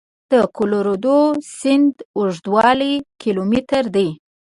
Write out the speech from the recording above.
د کلورادو سیند اوږدوالی کیلومتره دی.